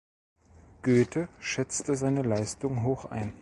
Goethe schätzte seine Leistung hoch ein.